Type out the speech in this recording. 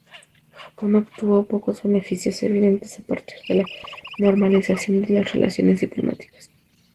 Japón obtuvo pocos beneficios evidentes a partir de la normalización de las relaciones diplomáticas.